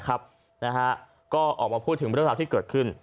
ก็ออกมาพูดถึงเวลาที่เกิดขึ้น